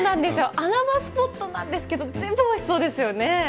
穴場スポットなんですけど、全部おいしそうですよね。